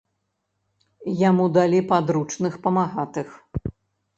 Яму далі падручных памагатых.